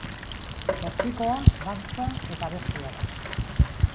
Zortzikoa, dantza eta abestia da.